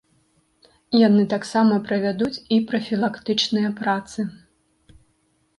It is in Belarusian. Яны таксама правядуць і прафілактычныя працы.